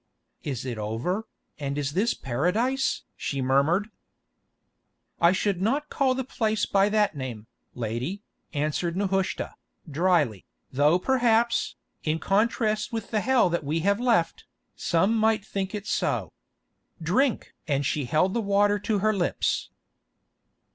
"Is it over, and is this Paradise?" she murmured. "I should not call the place by that name, lady," answered Nehushta, drily, "though perhaps, in contrast with the hell that we have left, some might think it so. Drink!" and she held the water to her lips.